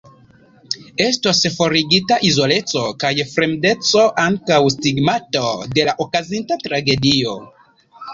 Estos forigita izoleco kaj fremdeco, ankaŭ stigmato de la okazinta tragedio.